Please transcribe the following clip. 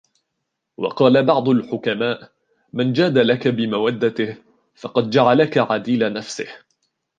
وَقَالَ بَعْضُ الْحُكَمَاءِ مَنْ جَادَ لَك بِمَوَدَّتِهِ ، فَقَدْ جَعَلَك عَدِيلَ نَفْسِهِ